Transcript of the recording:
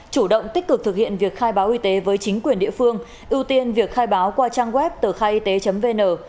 chủ động tích cực thực hiện việc khai báo y tế với chính quyền địa phương ưu tiên việc khai báo qua trang web tờ khaiyt vn